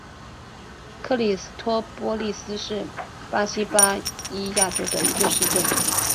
克里斯托波利斯是巴西巴伊亚州的一个市镇。